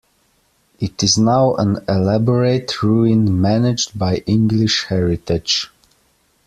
It is now an elaborate ruin managed by English-Heritage.